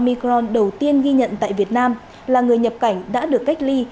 trường hợp nhiễm biến thể omicron đầu tiên ghi nhận tại việt nam là người nhập cảnh đã được cách ly